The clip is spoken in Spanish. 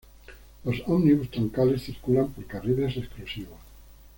Los ómnibus troncales circulan por carriles exclusivos.